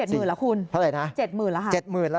๗๐๐๐๐บาทละคุณเพราะไหนนะ๗๐๐๐๐บาทละครับ